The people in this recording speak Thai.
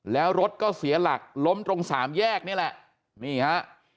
แล้วรถก็เสียหลักล้มตรงสามแยกนี่แหละนี่ฮะ